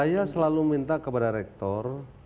saya selalu minta kepada rektor